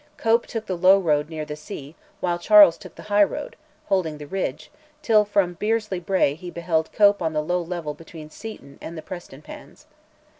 Cope took the low road near the sea, while Charles took the high road, holding the ridge, till from Birsley brae he beheld Cope on the low level plain, between Seaton and Prestonpans.